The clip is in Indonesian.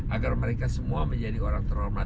agar mereka semua menjadi orang terhormat